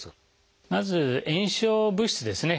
まず炎症物質ですね